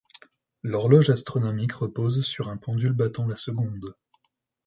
L'horloge astronomique repose sur un pendule battant la seconde.